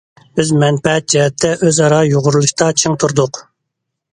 بىز مەنپەئەت جەھەتتە ئۆزئارا يۇغۇرۇلۇشتا چىڭ تۇردۇق.